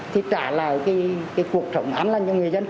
thì trả lại cuộc sống an lành cho người dân